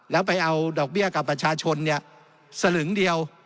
แล้วไปเอาดอกเบี้ยกับประชาชนเนี่ยสลึงเดียว